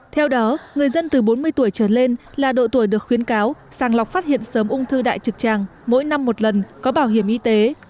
theo đó người dân từ bốn mươi tuổi trở lên là độ tuổi được khuyến cáo sàng lọc phát hiện sớm ung thư đại trực tràng mỗi năm một lần có bảo hiểm y tế